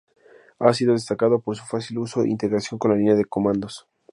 Ha sido destacado por su fácil uso e integración con la línea de comandos.